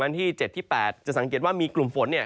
วันที่๗ที่๘จะสังเกตว่ามีกลุ่มฝน